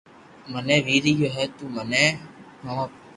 منو ويري گيو ھي تو مني ٺوپ